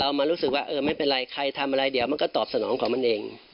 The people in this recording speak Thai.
มารู้สึกว่าเออไม่เป็นไรใครทำอะไรเดี๋ยวมันก็ตอบสนองของมันเอง